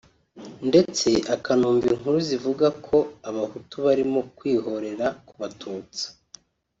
ndetse akanumva inkuru zivuga ko Abahutu barimo kwihorera ku Batutsi